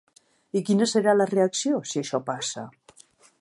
I quina serà la reacció, si això passa?